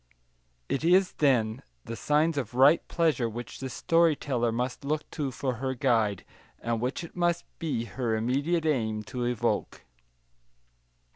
It is, then, the signs of right pleasure which the story teller must look to for her guide, and which it must be her immediate aim to evoke.